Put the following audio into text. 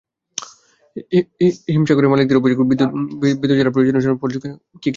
হিমাগারের মালিকদের অভিযোগ, বিদ্যুৎ ছাড়া হিমাগারের প্রয়োজনীয় সরঞ্জাম পরিচালনা করা সম্ভব নয়।